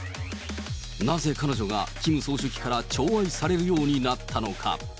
なぜ、彼女がキム総書記から寵愛されるようになったのか。